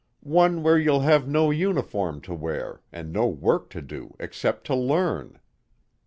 "One where you'll have no uniform to wear, and no work to do except to learn."